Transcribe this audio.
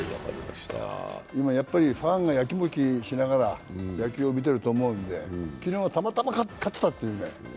ファンがやきもきしながら野球を見ていると思うので、昨日はたまたま勝てたというね。